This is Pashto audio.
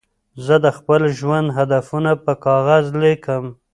زه د خپل ژوند هدفونه په کاغذ لیکم.